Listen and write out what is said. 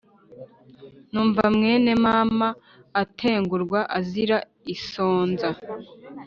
Numva mwene mama Atengurwa azira isonza